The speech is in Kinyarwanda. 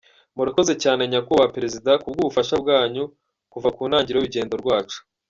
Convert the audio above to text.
Murakoze cyane Nyakubahwa Perezida ku bw’ubufasha bwanyu kuva ku ntangiriro y’urugendo rwacu.